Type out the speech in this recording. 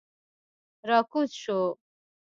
را کوز شوو.